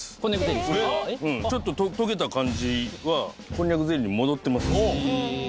うんちょっととけた感じはこんにゃくゼリーに戻ってますね